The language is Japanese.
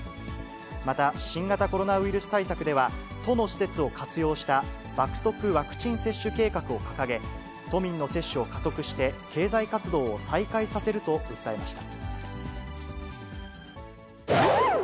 また、新型コロナウイルス対策では、都の施設を活用した爆速ワクチン接種計画を掲げ、都民の接種を加速して、経済活動を再開させると訴えました。